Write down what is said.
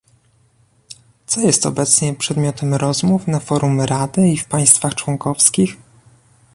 Co jest obecnie przedmiotem rozmów na forum Rady i w państwach członkowskich?